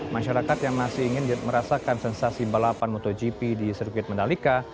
masyarakat yang masih ingin merasakan sensasi balapan motogp di sirkuit mandalika